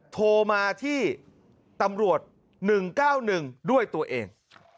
โทรมาที่ตำรวจ๑๙๑ด้วยตัวเอง